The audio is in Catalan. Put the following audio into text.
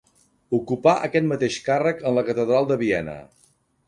Ocupà aquest mateix càrrec en la catedral de Viena.